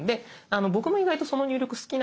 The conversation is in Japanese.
僕も意外とその入力好きなんです。